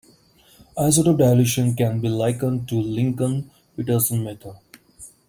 Isotope dilution can be likened to Lincoln-Petersen method.